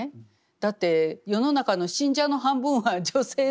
だって世の中の信者の半分は女性なわけですから。